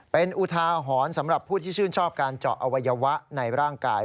เป็นอุทาหรณ์สำหรับผู้ที่ชื่นชอบการเจาะอวัยวะในร่างกาย